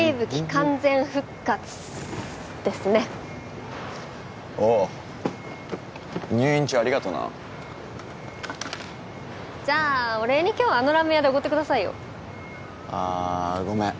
完全復活ですねおう入院中ありがとなじゃあお礼に今日あのラーメン屋でおごってくださいよあーごめん